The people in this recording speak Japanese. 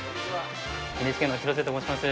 ＮＨＫの廣瀬と申します。